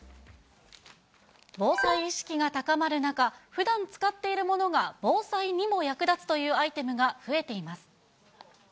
防災意識が高まる中、ふだん使っているものが防災にも役立つというアイテムが増えています。